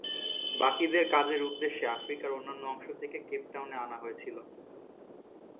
বাকিদের কাজের উদ্দেশে আফ্রিকার অন্যান্য অংশ থেকে কেপ টাউনে আনা হয়েছিল।